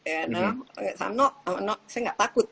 ya nah saya gak takut